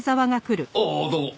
ああどうも。